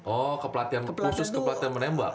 oh kepelatihan khusus kepelatihan menembak